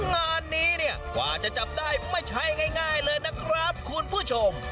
งานนี้เนี่ยกว่าจะจับได้ไม่ใช่ง่ายเลยนะครับคุณผู้ชม